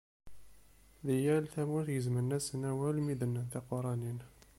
Di yal tamurt gezmen-asen awal mi d-nnan tiquranin.